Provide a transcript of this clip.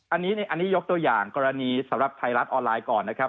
อันนี้ยกตัวอย่างกรณีสำหรับไทยรัฐออนไลน์ก่อนนะครับ